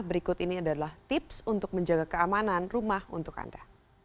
berikut ini adalah tips untuk menjaga keamanan rumah untuk anda